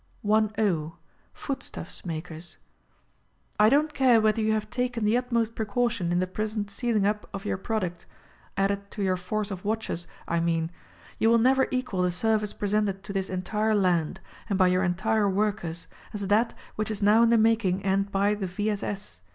lO. Food Stuffs — Makers. I don't care whether you have taken the utmost precaution in the pres ent sealing up of your product — ^^added to your force of watches, I mean — you will never equal the service presented to this entire land — and by 3'our entire workers — as that which is now in the making and by the V. S. S.